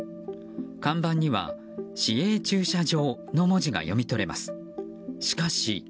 看板には市営駐車場の文字が読み取れます。